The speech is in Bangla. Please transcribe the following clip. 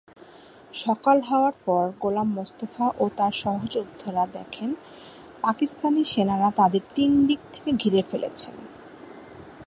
সকাল হওয়ার পর গোলাম মোস্তফা ও তার সহযোদ্ধারা দেখেন, পাকিস্তানি সেনারা তাদের তিন দিক থেকে ঘিরে ফেলেছে।